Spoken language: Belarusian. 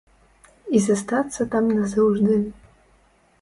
І застацца там назаўжды.